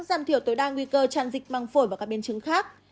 giam thiểu tối đa nguy cơ chăn dịch măng phổi vào các biên chứng khác